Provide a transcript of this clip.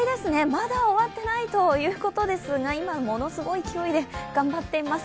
まだ終わってないということですが今、ものすごい勢いで頑張っています